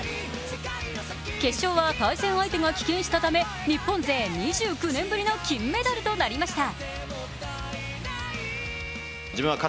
決勝は対戦相手が棄権したため日本勢２９年ぶりの金メダルとなりました。